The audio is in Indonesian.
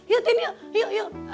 yuk tin yuk